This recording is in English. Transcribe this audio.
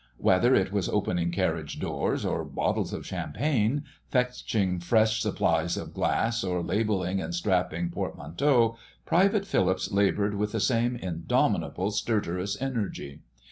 Whether it was opening carriage doors or bottles of champagne, fetching fresh supplies of glasses or labelling and strapping portmanteaux, Private Phillips laboured with the same indomitable stertorous energy.